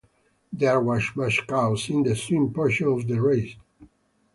There was much chaos in the swim portion of the race.